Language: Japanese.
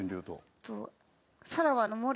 えっと。